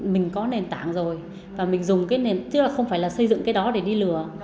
mình có nền tảng rồi và mình dùng cái nền tảng chứ là không phải là xây dựng cái đó để đi lừa